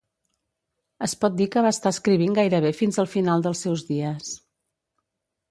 Es pot dir que va estar escrivint gairebé fins al final dels seus dies.